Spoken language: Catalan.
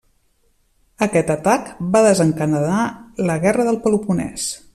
Aquest atac va desencadenar la guerra del Peloponès.